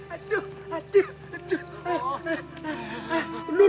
aduh aduh aduh